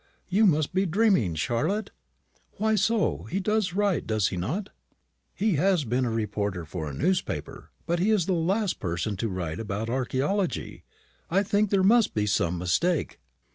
"You must be dreaming, Charlotte." "Why so? He does write, does he not?" "He has been reporter for a newspaper. But he is the last person to write about archaeology. I think there must be some mistake."